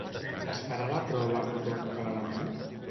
Es farà la prova a tothom que la demani?